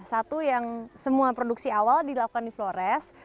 satu yang semua produksi awal dilakukan di flores